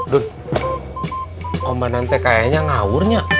dut komponen kekayanya ngawurnya